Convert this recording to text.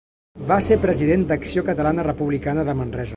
Va ser president d'Acció Catalana Republicana de Manresa.